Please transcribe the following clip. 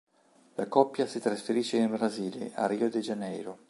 La coppia si trasferisce in Brasile, a Rio de Janeiro.